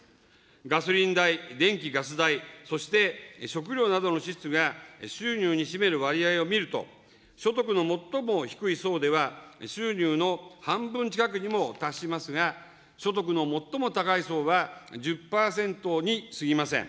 ガソリン代、電気・ガス代、そして食料などの支出が収入に占める割合を見ると、所得の最も低い層では、収入の半分近くにも達しますが、所得の最も高い層は１０％にすぎません。